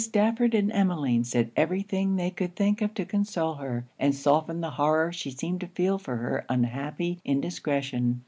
Stafford and Emmeline said every thing they could think of to console her, and soften the horror she seemed to feel for her unhappy indiscretion.